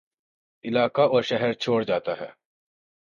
علاقہ اور شہرچھوڑ جاتا ہے